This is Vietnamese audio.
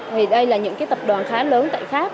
thì đây là những cái tập đoàn khá lớn tại pháp